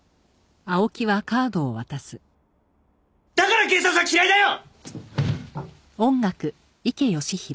だから警察は嫌いだよ！